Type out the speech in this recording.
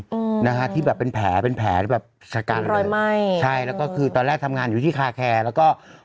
อืมนะฮะที่แบบเป็นแผลเป็นแผลแบบชะกันรอยไหม้ใช่แล้วก็คือตอนแรกทำงานอยู่ที่คาแคร์แล้วก็